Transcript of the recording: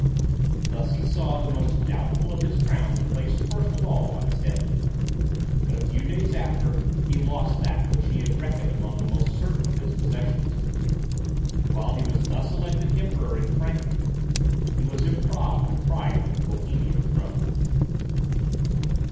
Thus he saw the most doubtful of his crowns placed first of all on his head; but a few days after he lost that which he had reckoned among the most certain of his possessions. While he was thus elected Emperor in Frankfort, he was in Prague deprived of the Bohemian throne.